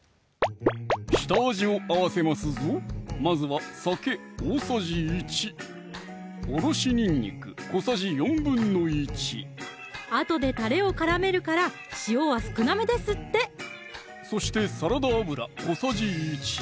下味を合わせますぞまずは酒大さじ１おろしにんにく小さじ１／４あとでたれを絡めるから塩は少なめですってそしてサラダ油小さじ１